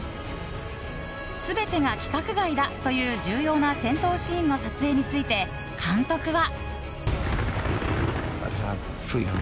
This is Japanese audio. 全てが規格外だという重要な戦闘シーンの撮影について監督は。